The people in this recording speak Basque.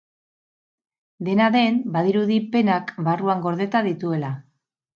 Dena den, badirudi penak barruan gordeta dituela.